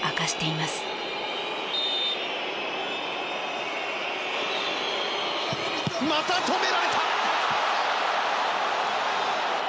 また止められた！